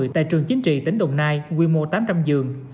tại trường chính trị tỉnh đồng nai quy mô tám trăm linh giường